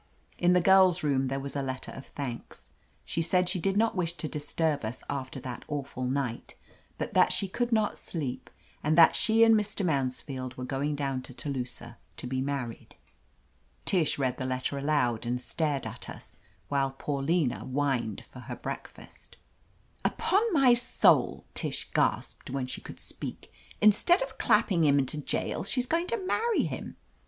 In the girl's room there was a letter of thanks. She said she did not wish to disturb us after that awful night, but that she could not sleep, and that she and Mr. Mansfield were going down to Telusah to be married. Tish read the letter aloud and stared at us, while Paulina whined for her breakfast 342 OF LETITIA CARBERRY m 'Upon my soul," Tish gasped, when she could speak. "Instead of clapping him into jail, she's going to marry him